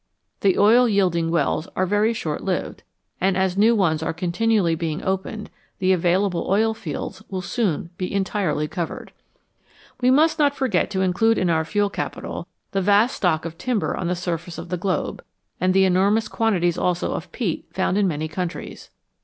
The oil yielding wells are very short lived, and as new ones are continually being opened, the available oil fields will soon be entirely covered. 138 NATURE'S STORES OF FUEL We must not forget to include in our fuel capital the vast stock of timber on the surface of the globe, and the enormous quantities also of peat found in many countries.